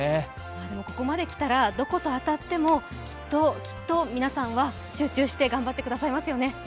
でも、ここまできたらどこと当たっても、きっときっと皆さんは集中して頑張ってくださいますよね。